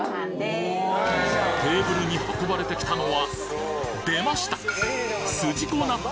テーブルに運ばれてきたのは出ました！